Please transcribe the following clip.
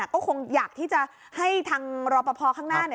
ก็คงอยากที่จะให้ทางรอปภข้างหน้า